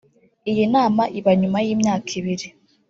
Iyi nama iba nyuma y’imyaka ibiri